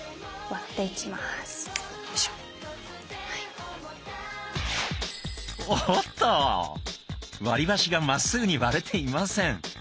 割りばしがまっすぐに割れていません。